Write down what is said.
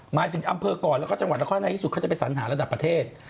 หมายถึงอำเภอก่อนแล้วก็จังหวัดนครในที่สุดเขาจะไปสัญหาระดับประเทศ